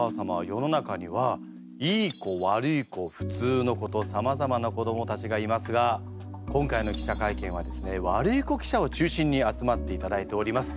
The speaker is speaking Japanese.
世の中にはいい子悪い子普通の子とさまざまな子どもたちがいますが今回の記者会見はですねワルイコ記者を中心に集まっていただいております。